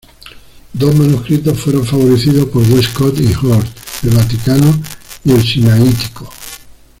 Dos manuscritos fueron favorecidos por Westcott y Hort: el Vaticano y el Sinaítico.